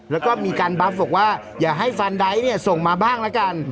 แล้วก็มีการบัฟบอกว่าอย่าให้ฟันไดท์เนี่ยส่งมาบ้างละกัน